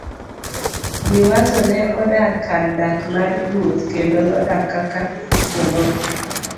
Liwazo ne odar kar dak mar ruoth kendo nodak kaka jomoko.